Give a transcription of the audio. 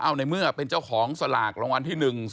เอาในเมื่อเป็นเจ้าของสลากรางวัลที่๑๒